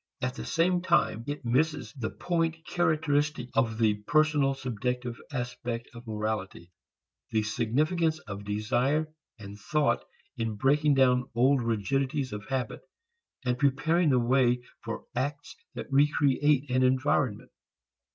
At the same time it misses the point characteristic of the personal subjective aspect of morality: the significance of desire and thought in breaking down old rigidities of habit and preparing the way for acts that re create an environment.